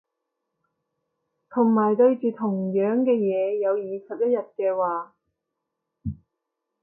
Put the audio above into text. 同埋對住同樣嘅嘢有二十一日嘅話